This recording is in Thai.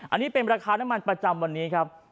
อันนี้เป็นราคาน้ำมันประจำวันนี้ครับ